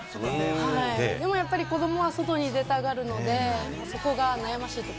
でも、やっぱり子どもは外に出たがるので、そこが悩ましいところ。